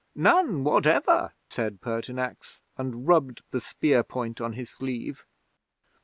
'"None whatever," said Pertinax, and rubbed the spear point on his sleeve.